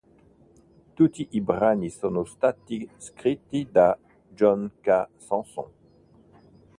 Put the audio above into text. Tutti i brani sono stati scritti da John K. Samson.